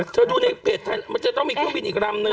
ดูในเพจไทยมันจะต้องมีเครื่องบินอีกลำนึง